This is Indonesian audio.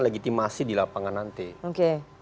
legitimasi di lapangan nanti oke